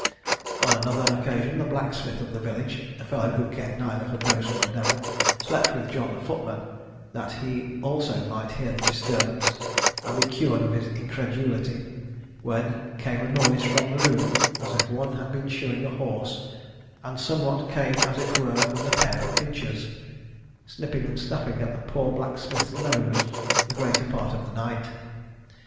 On another occasion, the blacksmith of the village, a fellow who cared neither for ghost nor devil, slept with John the footman, that he also might hear the disturbance, and be cured of his incredulity, when there "came a noise in the room, as if one had been shoeing a horse, and somewhat came, as it were, with a pair of pinchers," snipping and snapping at the poor blacksmith's nose the greater part of the night.